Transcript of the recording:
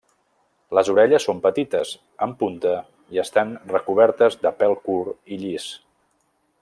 Les orelles són petites, en punta i estan recobertes de pèl curt i llis.